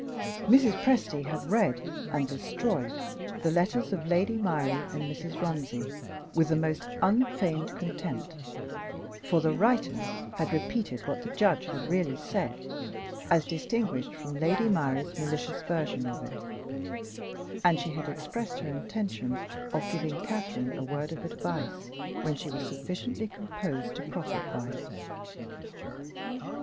Mrs. Presty had read (and destroyed) the letters of Lady Myrie and Mrs. Romsey, with the most unfeigned contempt for the writers had repeated what the judge had really said, as distinguished from Lady Myrie's malicious version of it and had expressed her intention of giving Catherine a word of advice, when she was sufficiently composed to profit by it.